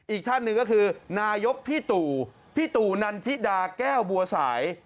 อีกท่านหนึ่งก็คือนายกพี่ตู่พี่ตู่นันทิดาแก้วบัวสาย